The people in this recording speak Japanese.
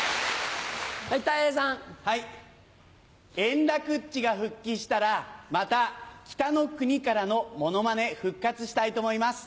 円楽っちが復帰したらまた『北の国から』のモノマネ復活したいと思います。